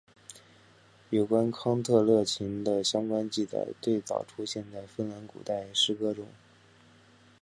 有关康特勒琴的相关记载最早出现在芬兰古代诗歌中。